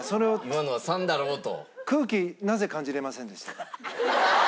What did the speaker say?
「今のは３だろう」と。